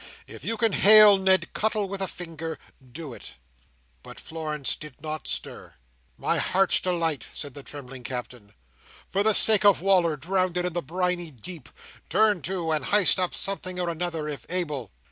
"If you can hail Ned Cuttle with a finger, do it!" But Florence did not stir. "My Heart's Delight!" said the trembling Captain. "For the sake of Wal"r drownded in the briny deep, turn to, and histe up something or another, if able!"